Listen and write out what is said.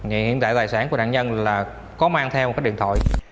hiện tại tài sản của nạn nhân là có mang theo một cái điện thoại